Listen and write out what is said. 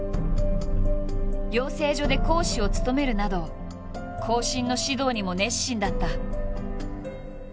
養成所で講師を務めるなど後進の指導にも熱心だった。